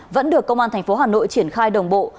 vẫn được công an tp hà nội triển khai đồng bộ